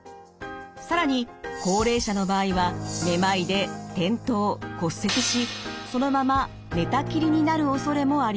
更に高齢者の場合はめまいで転倒・骨折しそのまま寝たきりになるおそれもあります。